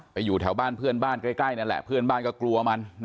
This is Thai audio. อยู่แถวบ้านเพื่อนบ้านใกล้นั่นแหละเพื่อนบ้านก็กลัวมัน